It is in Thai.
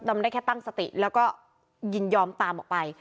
ได้แค่ตั้งสติแล้วก็ยินยอมตามออกไป